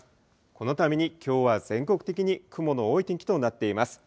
このためにきょうは全国的に雲の多い天気となっています。